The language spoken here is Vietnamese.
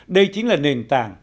đây chính là nền tảng